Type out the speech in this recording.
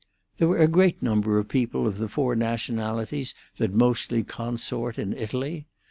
There were a great number of people of the four nationalities that mostly consort in Italy.